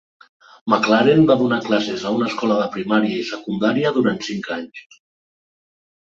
McLaren va donar classes a una escola de primària i secundària durant cinc anys.